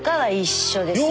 一緒です。